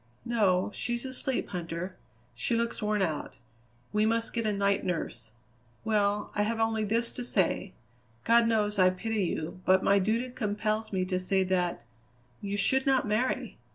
"No, she's asleep, Huntter. She looks worn out. We must get a night nurse. Well, I have only this to say: God knows I pity you, but my duty compels me to say that you should not marry!